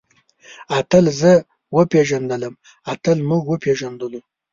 اتل زه وپېژندلم. اتل موږ وپېژندلو.